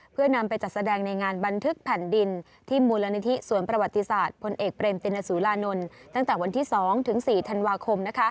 เพื่อนำไปจัดแสดงในงานบันทึกแผ่นดินที่มูลนิธิสวนประวัติศาสตร์พลเอกเบรมตินสุรานนท์ตั้งแต่วันที่๒ถึง๔ธันวาคม